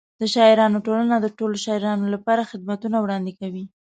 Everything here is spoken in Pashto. د شاعرانو ټولنه د ټولو شاعرانو لپاره خدمتونه وړاندې کوي.